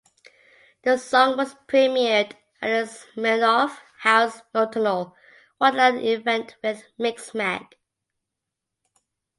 The song was premiered at the Smirnoff House Nocturnal Wonderland event with Mixmag.